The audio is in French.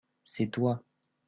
c'est toi.